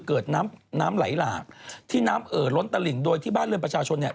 เกิดน้ำน้ำไหลหลากที่น้ำเอ่อล้นตลิ่งโดยที่บ้านเรือนประชาชนเนี่ย